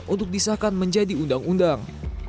untuk disahkan menjadi undang undang